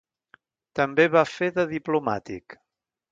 També va fer de diplomàtic.